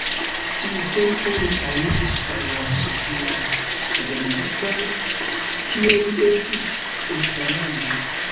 Tiutempe li aliĝis al la socialdemokratoj, kie li estis estrarano.